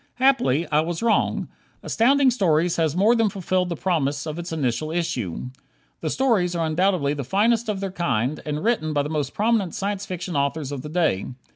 Happily, I was wrong. Astounding Stories has more than fulfilled the promise of its initial issue. The stories are undoubtedly the finest of their kind, and written by the most prominent Science Fiction authors of the day.